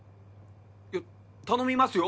いや頼みますよ